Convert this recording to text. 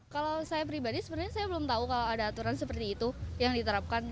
kalau saya pribadi sebenarnya saya belum tahu kalau ada aturan seperti itu yang diterapkan